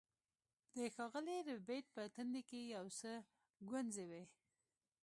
د ښاغلي ربیټ په تندي کې یو څه ګونځې وې